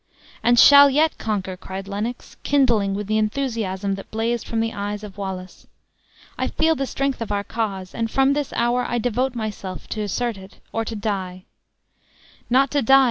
"And shall yet conquer!" cried Lennox, kindling with the enthusiasm that blazed from the eyes of Wallace. "I feel the strength of our cause; and from this hour, I devote myself to assert it, or to die." "Not to die!